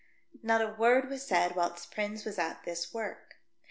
Not a word v/as said whilst Prins was at this work.